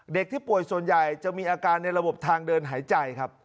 เด็กที่ป่วยส่วนใหญ่จะมีอาการในระบบทางเดินหายใจครับ